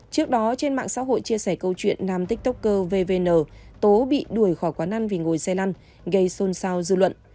trước đó trên mạng xã hội chia sẻ câu chuyện nam tiktokervn tố bị đuổi khỏi quán ăn vì ngồi xe lăn gây xôn xao dư luận